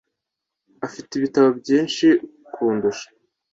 Afite ibitabo byinshi kundusha.